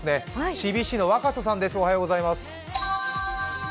ＣＢＣの若狭さんです。